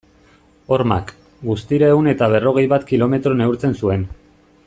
Hormak, guztira ehun eta berrogei bat kilometro neurtzen zuen.